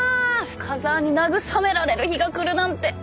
深澤に慰められる日が来るなんて。